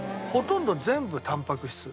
ほとんど全部たんぱく質。